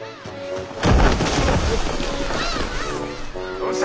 どうした！